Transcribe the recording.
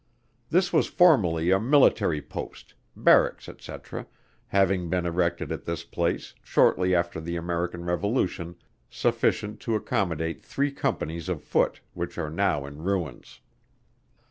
This was formerly a military post; Barracks, &c. having been erected at this place shortly after the American revolution sufficient to accommodate three companies of foot, which are now in ruins.